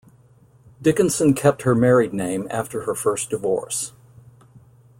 Dickinson kept her married name after her first divorce.